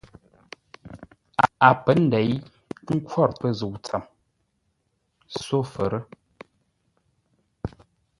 A pə́ nděi ə́ nkhwor pə́ zə̂u tsəm sófə́rə́.